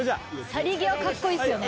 「去り際かっこいいですよね」